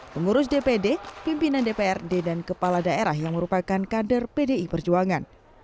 pengurus dpd pimpinan dprd dan kepala daerah yang merupakan kader pdi perjuangan